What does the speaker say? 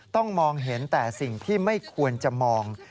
ต้องมองเห็นแต่สิ่งที่ไม่ควรจะมอง